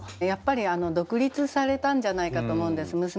やっぱり独立されたんじゃないかと思うんです